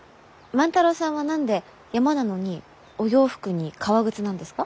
万太郎さんは何で山なのにお洋服に革靴なんですか？